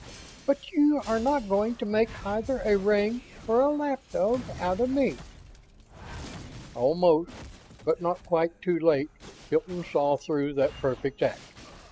but you are not going to make either a ring or a lap dog out of me." Almost but not quite too late Hilton saw through that perfect act.